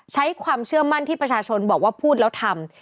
ใช้ความเชื่อมั่นที่ประชาชนบอกว่าพูดแล้วทำ